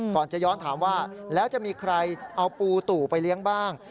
ก่อนจะย้อนถามว่าแล้วจะมีใครเอาปูตู่ไปเลี้ยงบ้าง